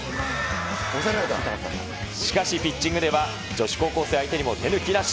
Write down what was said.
しかし、ピッチングでは女子高校生相手にも手抜きなし。